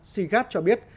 sigat cho biết